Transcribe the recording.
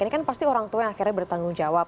ini kan pasti orang tua yang akhirnya bertanggung jawab